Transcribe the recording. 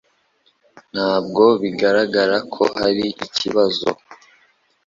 Ntabwo bigaragara ko hari ibibazo.